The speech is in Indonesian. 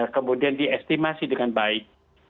kemudian diestimasi dengan baik